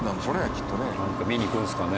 なんか見に行くんですかね。